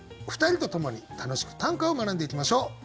２人と共に楽しく短歌を学んでいきましょう。